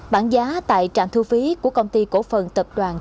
bảng giá tại trạm thu phí của công ty cổ phần tập đoàn